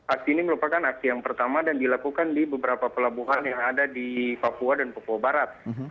aksi ini merupakan aksi yang pertama dan dilakukan di beberapa pelabuhan yang ada di papua dan papua barat